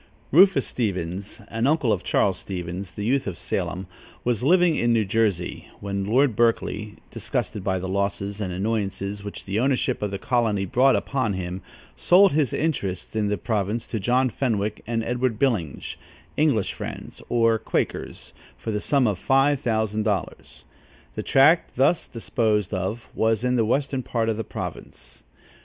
Rufus Stevens, an uncle of Charles Stevens, the youth of Salem, was living in New Jersey, when Lord Berkeley, disgusted by the losses and annoyances which the ownership of the colony brought upon him, sold his interests in the province to John Fenwick and Edward Byllinge, English Friends, or Quakers, for the sum of five thousand dollars. The tract thus disposed of was in the western part of the province.